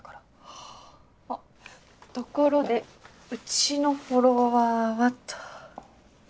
はぁあっところでうちのフォロワーはと。